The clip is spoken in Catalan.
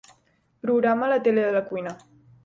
Programa la tele de la cuina.